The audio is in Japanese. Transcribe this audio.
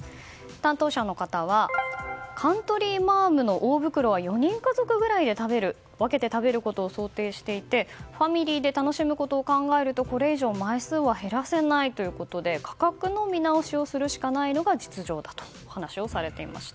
担当者の方はカントリーマアムの大袋は４人家族ぐらいで分けて食べることを想定していてファミリーで楽しむことを考えるとこれ以上枚数は減らせないということで価格の見直しをするしかないのが実情だと話をされていました。